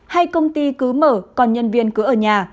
hay công ty cứ mở còn nhân viên cứ ở nhà